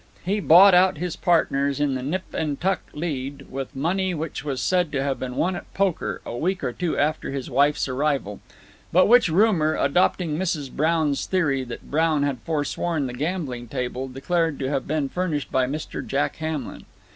He bought out his partners in the "Nip and Tuck" lead, with money which was said to have been won at poker, a week or two after his wife's arrival, but which rumor, adopting Mrs. Brown's theory that Brown had forsworn the gaming table, declared to have been furnished by Mr. Jack Hamlin.